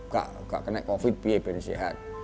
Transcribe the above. gak kena covid biaya biar sehat